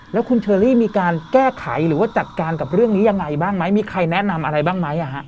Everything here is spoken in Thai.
แล้วคุณเชอรี่มีการแก้ไขหรือว่าจัดการกับเรื่องนี้ยังไงบ้างไหมมีใครแนะนำอะไรบ้างไหม